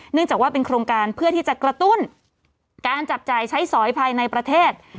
จากว่าเป็นโครงการเพื่อที่จะกระตุ้นการจับจ่ายใช้สอยภายในประเทศ